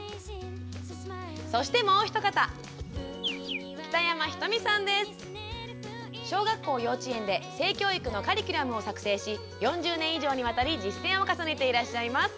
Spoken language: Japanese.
そしてもうお一方小学校・幼稚園で性教育のカリキュラムを作成し４０年以上にわたり実践を重ねていらっしゃいます。